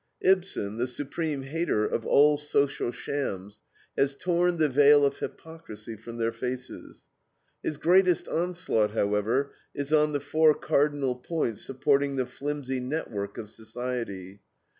Ibsen, the supreme hater of all social shams, has torn the veil of hypocrisy from their faces. His greatest onslaught, however, is on the four cardinal points supporting the flimsy network of society.